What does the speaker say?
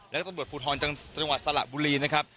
และตำรวจภูทรจังหวัดสระบุรีนะครับ